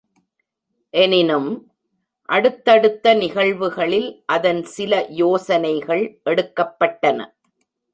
எனினும், அடுத்தடுத்த நிகழ்வுகளில் அதன் சில யோசனைகள் எடுக்கப்பட்டன.